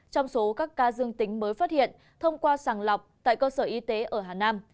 trong số các ca dương tính mới phát hiện thông qua sàng lọc tại cơ sở y tế ở hà nam